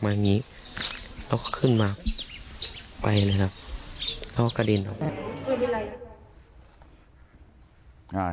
ไปเลยครับแล้วกระเด็นอ่ะ